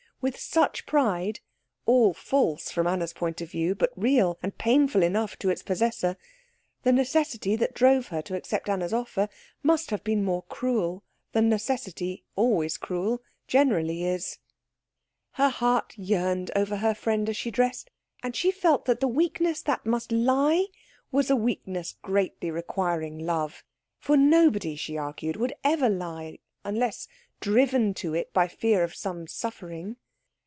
With such pride, all false from Anna's point of view, but real and painful enough to its possessor, the necessity that drove her to accept Anna's offer must have been more cruel than necessity, always cruel, generally is. Her heart yearned over her friend as she dressed, and she felt that the weakness that must lie was a weakness greatly requiring love. For nobody, she argued, would ever lie unless driven to it by fear of some suffering.